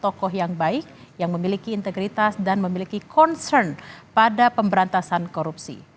tokoh yang baik yang memiliki integritas dan memiliki concern pada pemberantasan korupsi